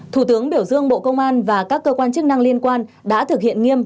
thủ tướng biểu dương bộ công an và các cơ quan chức năng liên quan đã thực hiện nghiêm